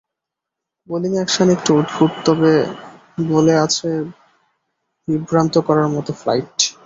Bowling action একটু অদ্ভুত, তবে বলে আছে বিভ্রান্ত করার মতো ফ্লাইট।